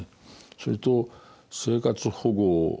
それと生活保護